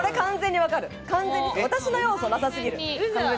私の要素なさすぎる。